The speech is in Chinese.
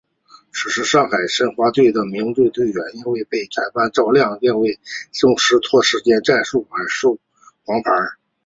此时上海申花队的多名队员因为被主裁判赵亮认为利用拖延时间的战术而领受黄牌。